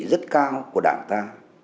rất cao của đảng ta